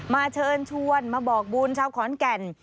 เชิญชวนมาบอกบุญชาวขอนแก่น